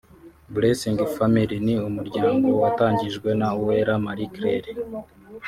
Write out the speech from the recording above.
Blessings Family ni umuryango watangijwe na Uwera Marie Claire